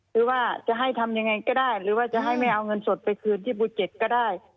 คือว่าจะให้ทำยังไงก็ได้หรือว่าจะให้ไม่เอาเงินสดไปคืนที่ภูเก็ตก็ได้